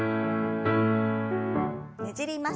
ねじります。